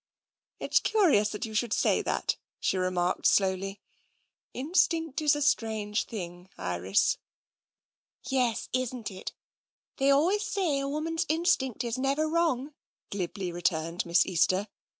" It's curious that you should say that," she re marked slowly. " Instinct is a strange thing, Iris." " Yes, isn't it ? They always say a woman's in stinct is never wrong," glibly returned Miss Easter.